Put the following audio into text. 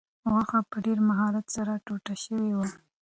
غوښه په ډېر مهارت سره ټوټه شوې وه.